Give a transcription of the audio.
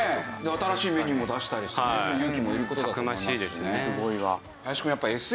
新しいメニューも出したりして勇気もいる事だと思いますしね。